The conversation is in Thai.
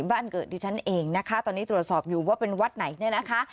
บ้านเกิดดิฉันเองนะคะตอนนี้ตรวจสอบอยู่ว่าเป็นวัดไหนเนี่ยนะคะ